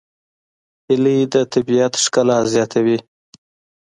هیلۍ د طبیعت ښکلا زیاتوي